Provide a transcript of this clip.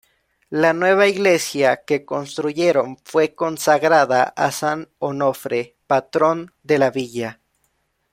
La nueva iglesia que construyeron fue consagrada a San Onofre, patrón de la villa.